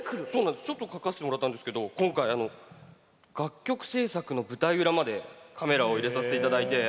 ちょっと書かせてもらったんですけど今回、楽曲制作の舞台裏までカメラを入れさせていただいて。